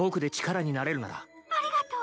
☎ありがとう。